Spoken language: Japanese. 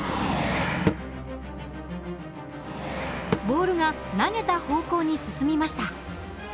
ボールが投げた方向に進みました。